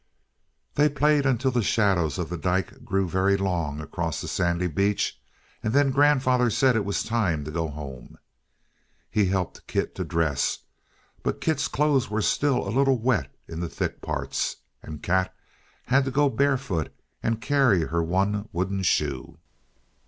They played until the shadows of the dyke grew very long across the sandy beach, and then grandfather said it was time to go home. He helped Kit to dress, but Kit's clothes were still a little wet in the thick parts. And Kat had to go barefooted and carry her one wooden shoe.